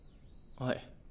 はい。